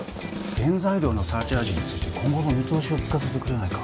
原材料のサーチャージについて今後の見通しを聞かせてくれないか？